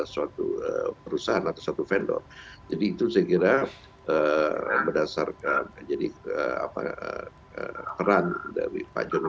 satu perusahaan atau satu vendor jadi itu saya kira berdasarkan jadi apa peran dari pak jero